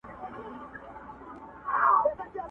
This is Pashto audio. د خپلو هیلو څرک بیخې کم ویني